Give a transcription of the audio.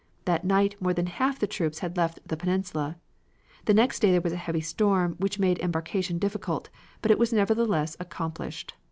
That night more than half the troops had left the Peninsula. The next day there was a heavy storm which made embarkation difficult, but it was nevertheless accomplished.